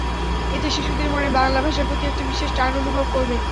এতে শিশুদের মনে বাংলা ভাষার প্রতি একটা বিশেষ টান অনুভব করবে।